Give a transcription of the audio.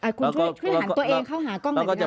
คุณช่วยหันตัวเองเข้าหากล้องเหมือนกันนะครับ